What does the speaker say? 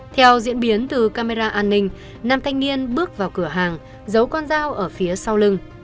theo diễn biến từ camera an ninh nam thanh niên bước vào cửa hàng giấu con dao ở phía sau lưng